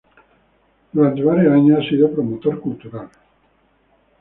Por varios años ha sido promotor cultura.